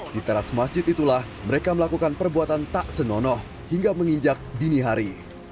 di teras masjid itulah mereka melakukan perbuatan tak senonoh hingga menginjak dini hari